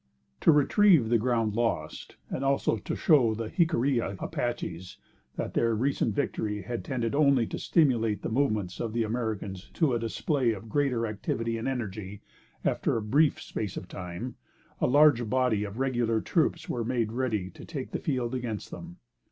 To retrieve the ground lost, and also, to show the Jiccarilla Apaches that their recent victory had tended only to stimulate the movements of the Americans to a display of greater activity and energy, after a brief space of time, a large body of regular troops were made ready to take the field against them.